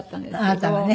あなたがね。